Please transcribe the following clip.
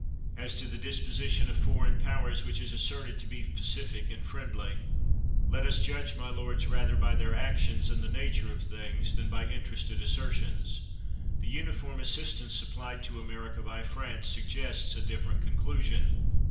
As to the disposition of foreign powers which is asserted to be pacific and friendly, let us judge, my lords, rather by their actions and the nature of things than by interested assertions. The uniform assistance supplied to America by France suggests a different conclusion.